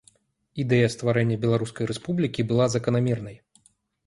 Ідэя стварэння беларускай рэспублікі была заканамернай.